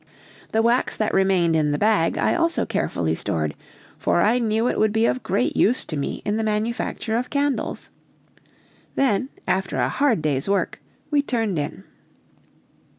The wax that remained in the bag I also carefully stored, for I knew it would be of great use to me in the manufacture of candles. Then after a hard day's work we turned in.